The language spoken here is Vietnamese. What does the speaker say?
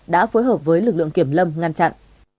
đã phối hợp với lực lượng kiểm lâm ngăn chặn